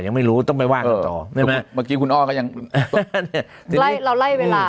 ยังไม่รู้ต้องไปว่ากันต่อใช่ไหมเมื่อกี้คุณอ้อก็ยังไล่เราไล่เวลา